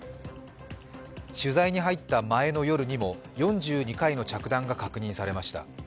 取材に入った前の夜にも４２回の着弾が確認されました。